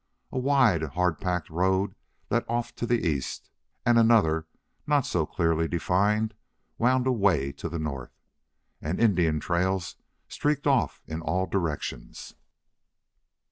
A wide, hard packed road led off to the east, and another, not so clearly defined, wound away to the north. And Indian trails streaked off in all directions.